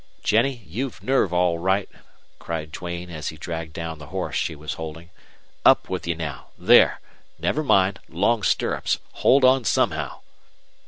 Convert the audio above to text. "Jennie, you've nerve, all right!" cried Duane, as he dragged down the horse she was holding. "Up with you now! There! Never mind long stirrups! Hang on somehow!"